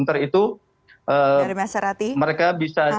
dari mas rati